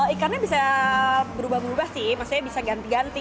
ikannya bisa berubah berubah sih maksudnya bisa ganti ganti